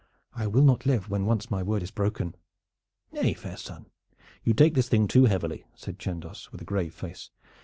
I will not live when once my word is broken." "Nay, fair son, you take this thing too heavily," said Chandos, with a grave face.